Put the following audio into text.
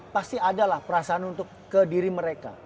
pasti ada lah perasaan untuk ke diri mereka